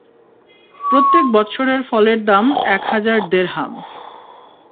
প্রত্যেক বৎসরের ফলের দাম এক হাজার দেরহাম।